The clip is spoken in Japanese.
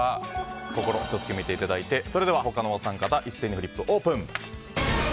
心、１つ決めていただいて他のお三方一斉にフリップオープン！